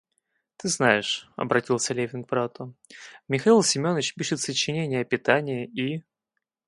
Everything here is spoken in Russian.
Ты знаешь, — обратился Левин к брату, — Михаил Семеныч пишет сочинение о питании и...